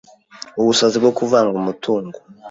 Ubusazi bwo kuvanga umutungo